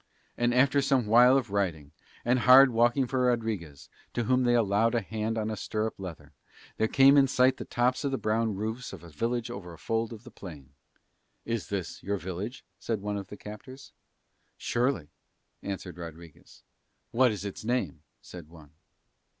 And after some while of riding, and hard walking for Rodriguez, to whom they allowed a hand on a stirrup leather, there came in sight the tops of the brown roofs of a village over a fold of the plain. "Is this your village?" said one of his captors. "Surely," answered Rodriguez. "What is its name?" said one.